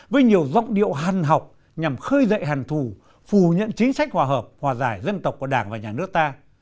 với nhiều giọng điệu hàn học nhằm khơi dậy hàn thù phù nhận chính sách hòa hợp hòa giải dân tộc của đảng và nhà nước ta